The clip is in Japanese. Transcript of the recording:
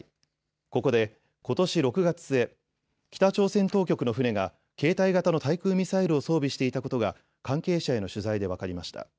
ここで、ことし６月末、北朝鮮当局の船が携帯型の対空ミサイルを装備していたことが関係者への取材で分かりました。